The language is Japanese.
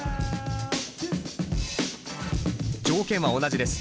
条件は同じです。